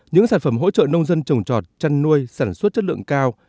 những sản phẩm hỗ trợ nông dân trồng trọt chăn nuôi sản xuất chất lượng cao